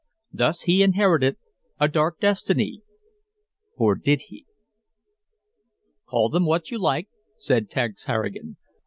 Thus he inherited a dark destiny or did he?_ "Call them what you like," said Tex Harrigan.